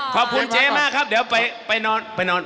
ขอบคุณเจ้มากครับไปนอนไปนั่ง